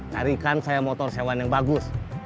hari kan saya motor sewan yang bagus